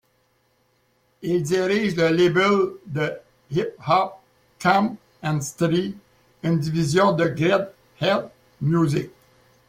Il dirige le label de hip-hop Camp and Street, une division de Greedhead Music.